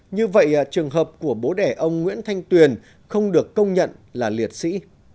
như vậy trường hợp của bố đẻ ông nguyễn thanh tuyền không được công nhận là liệt sĩ